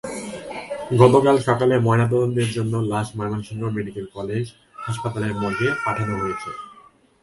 গতকাল সকালে ময়নাতদন্তের জন্য লাশ ময়মনসিংহ মেডিকেল কলেজ হাসপাতালের মর্গে পাঠানো হয়েছে।